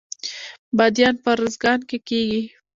بادیان په ارزګان کې کیږي